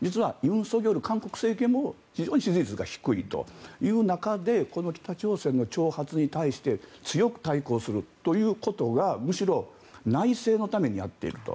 実は尹錫悦韓国政権も非常に支持率が低いという中でこの北朝鮮の挑発に対して強く対抗するということがむしろ内政のためにやっていると。